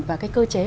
và cái cơ chế